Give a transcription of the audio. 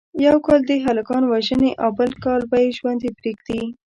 یو کال دې هلکان ووژني او بل کال به یې ژوندي پریږدي.